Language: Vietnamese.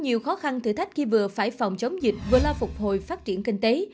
nhiều khó khăn thử thách khi vừa phải phòng chống dịch vừa lo phục hồi phát triển kinh tế